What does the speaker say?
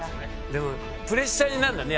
プレッシャーになるんだね